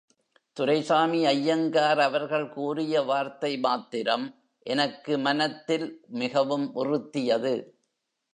துரைசாமி ஐயங்கார் அவர்கள் கூறிய வார்த்தை மாத்திரம் எனக்கு மனத்தில் மிகவும் உறுத்தியது.